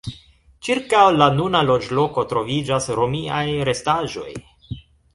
Ĉirkaŭ la nuna loĝloko troviĝas romiaj restaĵoj.